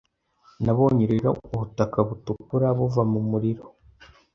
Nabonye rero ubutaka butukura buva mu muriro